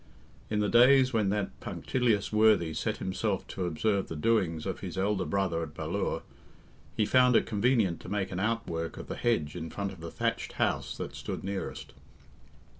In the days when that punctilious worthy set himself to observe the doings of his elder brother at Ballure, he found it convenient to make an outwork of the hedge in front of the thatched house that stood nearest.